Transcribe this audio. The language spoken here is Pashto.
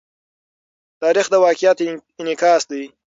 تاریخ د واقعیت انعکاس دی.